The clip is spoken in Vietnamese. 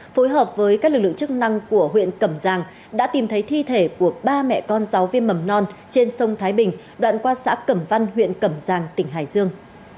phối hợp với các lực lượng chức năng của huyện cẩm giang đã tìm thấy thi thể của ba mẹ con giáo viên mầm non trên sông thái bình đoạn qua xã cẩm văn huyện cẩm giang tỉnh hải dương